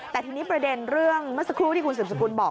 แต่ทีนี้ประเด็นเรื่องเมื่อสักครู่ที่คุณสืบสกุลบอก